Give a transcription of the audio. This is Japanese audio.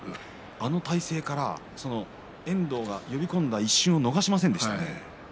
あの体勢から遠藤が呼び込んだ一瞬を逃しませんでしたね。